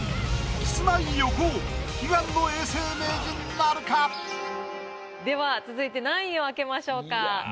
キスマイ横尾悲願の永世名人なるか⁉では続いて何位を開けましょうか？